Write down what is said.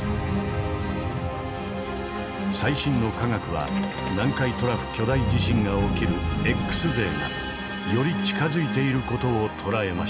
最新の科学は南海トラフ巨大地震が起きるＸデーがより近づいている事を捉えました。